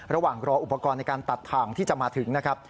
ระหว่างรออุปกรณ์ในการตัดทางที่จะมาถึงนะครับ